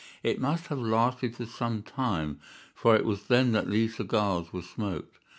It must have lasted for some time, for it was then that these cigars were smoked.